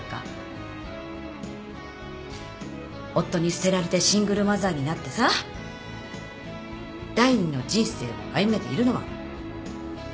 夫に捨てられてシングルマザーになってさ第二の人生歩めているのは同期のお二人のおかげです。